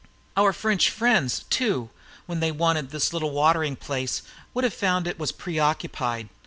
Our French friends, too, when they wanted this little watering place, would have found it was preoccupied.